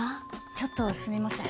ちょっとすみません